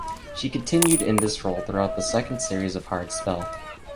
She continued in this role throughout the second series of "Hard Spell".